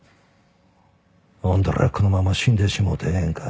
おんどりゃあこのまま死んでしもうてええんか？